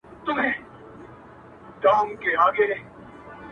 چا شپېلۍ رانه سنګسار کړه چا په دار د رباب شرنګ دی,